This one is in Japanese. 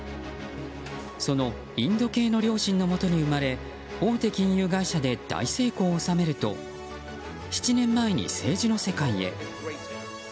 そのインド系の両親のもとに生まれ大手金融会社で大成功を収めると７年前に政治の世界へ。